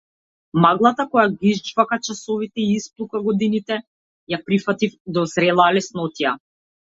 Маглата која ги изџвака часовите и исплука годините ја прифатив до зрела леснотија.